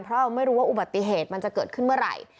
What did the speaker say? เพราะเราไม่รู้ว่าอุบัติเหตุมันจะเกิดขึ้นเมื่อไหร่